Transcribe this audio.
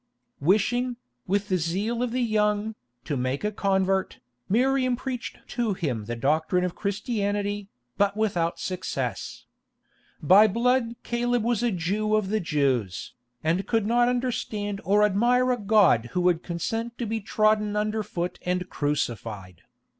Wishing, with the zeal of the young, to make a convert, Miriam preached to him the doctrine of Christianity, but without success. By blood Caleb was a Jew of the Jews, and could not understand or admire a God who would consent to be trodden under foot and crucified.